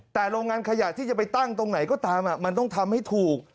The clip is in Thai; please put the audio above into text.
แต่โรงงานขยะที่จะไปตั้งตรงไหนก็ตามมันต้องทำให้ถูก